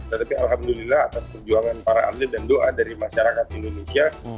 tetapi alhamdulillah atas perjuangan para atlet dan doa dari masyarakat indonesia